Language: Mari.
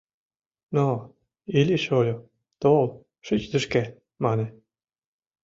— Но, Илли-шольо, тол, шич тышке, — мане.